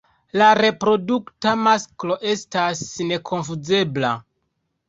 La reprodukta masklo estas nekonfuzebla.